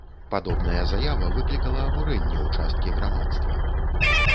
Падобная заява выклікала абурэнне ў часткі грамадства.